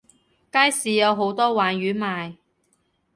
街市有好多鯇魚賣